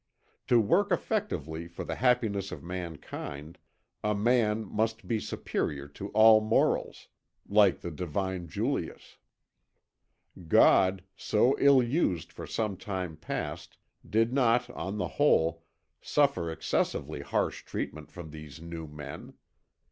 To work effectively for the happiness of mankind, a man must be superior to all morals, like the divine Julius. God, so ill used for some time past, did not, on the whole, suffer excessively harsh treatment from these new men.